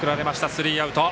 スリーアウト。